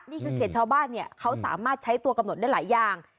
เขตชาวบ้านเนี่ยเขาสามารถใช้ตัวกำหนดได้หลายอย่าง